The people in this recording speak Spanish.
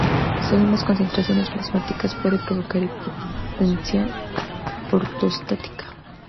Según las concentraciones plasmáticas, puede provocar hipotensión ortostática.